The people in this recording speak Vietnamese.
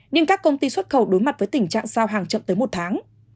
nhưng các công ty xuất khẩu đối mặt với tình trạng giao hàng chậm tới một tháng